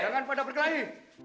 jangan pada berkelahi